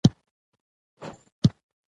نه تر ښار نه تر بازاره سو څوک تللای